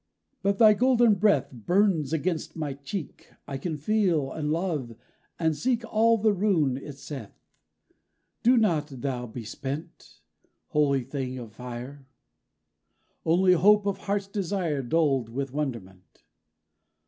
But thy golden breath Burns against my cheek. I can feel and love, and seek all the rune it saith. Do not thou be spent, Holy thing of fire, Only hope of heart's desire dulled with wonderment!